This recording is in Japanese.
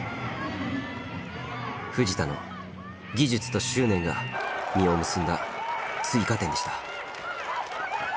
藤田の技術と執念が実を結んだ追加点でした。